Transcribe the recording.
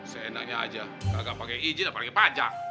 seenaknya aja kagak pakai izin pakai pajak